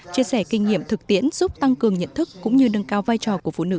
chia sẻ kinh nghiệm thực tiễn giúp tăng cường nhận thức cũng như nâng cao vai trò của phụ nữ